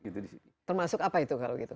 termasuk apa itu kalau gitu